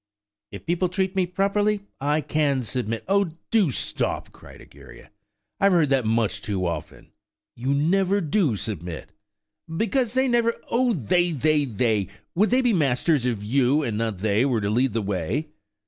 "If people treat me properly, I can submit–" "Oh, do stop!" cried Egeria, "I've heard that much too often. You never do submit." "Because they never–" "Oh, they, they, they! Would they be masters, if you, and not they, were to lead the way?"